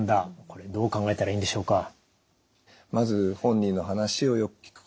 これどう考えたらいいんでしょうか？